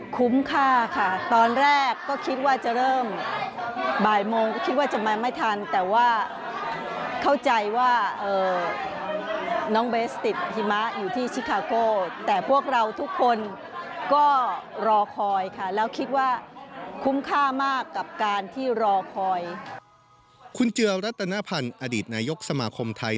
คุณเจื้อรัตนพรรณอดีตนายกสมครมไทย